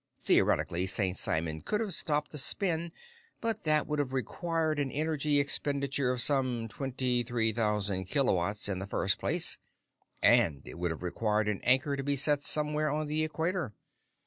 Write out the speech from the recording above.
Theoretically, St. Simon could have stopped the spin, but that would have required an energy expenditure of some twenty three thousand kilowatt hours in the first place, and it would have required an anchor to be set somewhere on the equator.